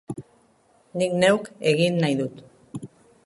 Nik neuk egin nahi dut.